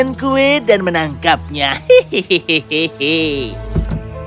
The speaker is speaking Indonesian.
aku akan menangkapnya dengan kue